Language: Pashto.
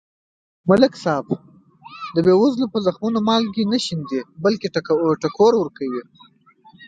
ملک صاحب د بې وزلو په زخمونو مالګې نه شیندي. بلکې ټکور کوي یې.